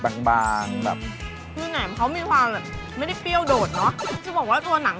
คือแหน่มเค้ามีความแบบไม่ใช่เปรี้ยวโดดจริงบอกว่าตัวหนัง